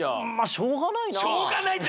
まあしょうがないな。